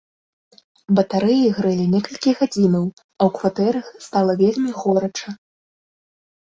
Батарэі грэлі некалькі гадзінаў, а ў кватэрах стала вельмі горача.